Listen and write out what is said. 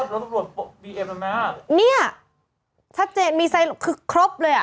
แล้วรถตำรวจบีเอ็มนะแม่เนี่ยชัดเจนคือครบเลยอะ